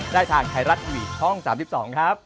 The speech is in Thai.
ได้ทางไทยรัฐทีวีช่อง๓๒ครับ